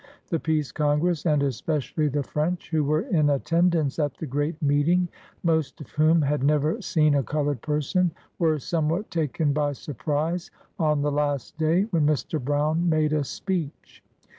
The Peace Congress, and espe cially the French who were in attendance at the great meeting, most of whom had never seen a colored per son, were somewhat taken by surprise on the last day, when Mr. Brown made a speech.